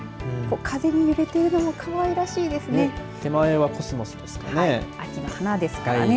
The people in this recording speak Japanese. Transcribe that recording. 風に揺れているのも可愛らしいですね。